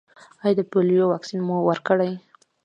ایا د پولیو واکسین مو ورکړی؟